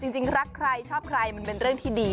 จริงรักใครชอบใครมันเป็นเรื่องที่ดี